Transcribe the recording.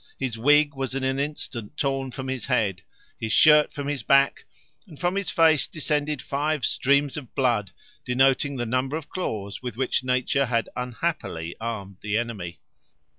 His wig was in an instant torn from his head, his shirt from his back, and from his face descended five streams of blood, denoting the number of claws with which nature had unhappily armed the enemy.